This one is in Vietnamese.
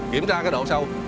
kiểm tra cái độ sâu